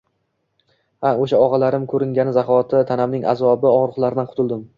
Ha, o‘sha og‘alarim ko‘ringani zahoti tanamning azobli og‘riqlaridan qutuldim